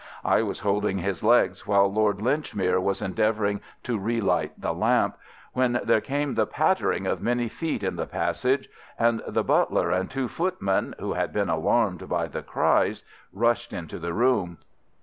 I was holding his legs while Lord Linchmere was endeavouring to relight the lamp, when there came the pattering of many feet in the passage, and the butler and two footmen, who had been alarmed by the cries, rushed into the room.